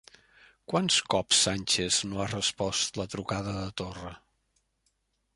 Quants cops Sánchez no ha respost la trucada de Torra?